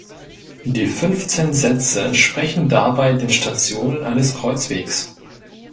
Die fünfzehn Sätze entsprechen dabei den Stationen eines Kreuzwegs.